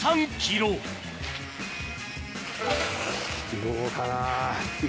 どうかな？